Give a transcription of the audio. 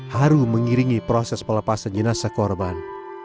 haru mengiringi proses pelepasan jenazah korban